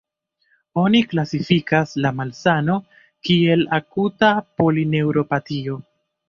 Oni klasifikas la malsano kiel akuta polineuropatio.